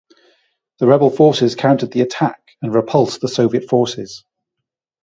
The rebel forces countered the attack and repulsed the Soviet forces.